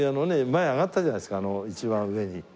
前上がったじゃないですかあの一番上に。